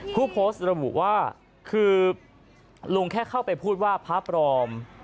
ผู้โพสต์ระบุว่าคือลุงแค่เข้าไปพูดว่าพระปลอม